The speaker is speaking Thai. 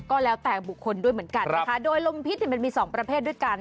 ก็แล้วแต่บุคคลด้วยเหมือนกันนะคะโดยลมพิษมันมีสองประเภทด้วยกัน